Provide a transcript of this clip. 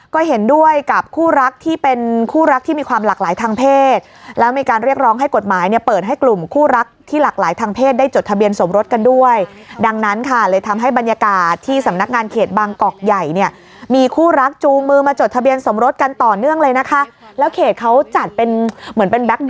ก็เห็นด้วยกับคู่รักที่เป็นคู่รักที่มีความหลากหลายทางเพศแล้วมีการเรียกร้องให้กฎหมายเนี่ยเปิดให้กลุ่มคู่รักที่หลากหลายทางเพศได้จดทะเบียนสมรสกันด้วยดังนั้นค่ะเลยทำให้บรรยากาศที่สำนักงานเขตบางกอกใหญ่เนี่ยมีคู่รักจูงมือมาจดทะเบียนสมรสกันต่อเนื่องเลยนะคะแล้วเขตเขาจัดเป็นเหมือนเป็นแก๊